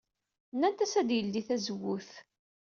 Nnant-as ad yeldey tazewwut.